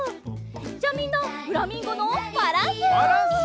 じゃあみんなフラミンゴのバランス！